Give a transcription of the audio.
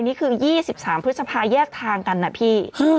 นี่คือ๒๓พฤษภาแยกทางกันนะพี่